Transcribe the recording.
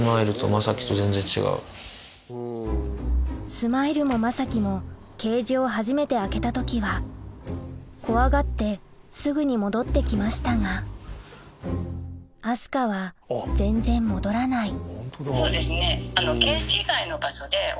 スマイルもまさきもケージを初めて開けた時は怖がってすぐに戻って来ましたが明日香は全然戻らないそうですね。